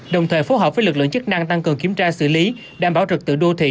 đồng thời phối hợp với lực lượng chức năng tăng cường kiểm tra xử lý đảm bảo trật tự đô thị